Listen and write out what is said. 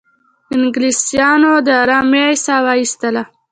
انګلیسیانو د آرامۍ ساه وایستله.